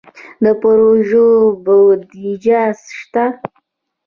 د پروژو بودیجه شته؟